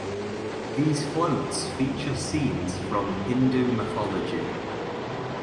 These floats feature scenes from Hindu mythology.